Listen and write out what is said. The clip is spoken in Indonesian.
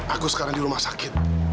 aku sekarang di rumah sakit